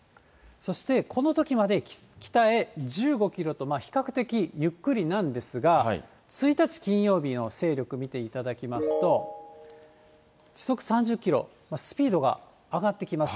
そして、このときまで北へ１５キロと比較的ゆっくりなんですが、１日金曜日の勢力見ていただきますと、時速３０キロ、スピードが上がってきます。